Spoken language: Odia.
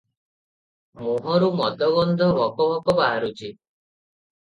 ମୁହଁରୁ ମଦଗନ୍ଧ ଭକ ଭକ ବାହାରୁଛି ।